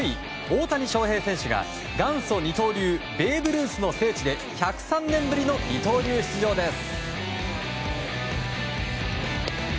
大谷翔平選手が元祖二刀流ベーブ・ルースの聖地で１０３年ぶりの二刀流出場です。